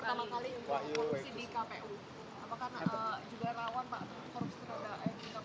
apakah juga lawan pak